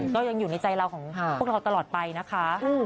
ก็ยังอยู่ในใจเราของพวกเราตลอดไปนะคะ